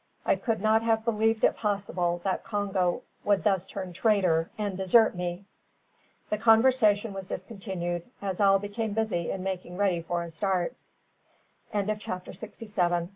I could not have believed it possible that Congo would thus turn traitor and desert me." The conversation was discontinued, as all became busy in making ready for a start. CHAPTER SIXTY EIGHT.